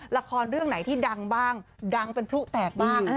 ละครเรื่องไหนที่ดังบ้างดังเป็นพลุแตกบ้าง